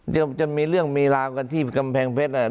เดี๋ยวจะมีเรื่องมีราวกันที่กำแพงเพชร